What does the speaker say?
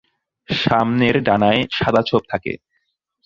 সামনের ডানায় সাদা ছোপ থাকে।